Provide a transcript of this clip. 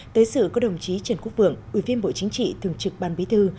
tới sự có đồng chí trần quốc vượng ủy viên bộ chính trị thường trực ban bí thư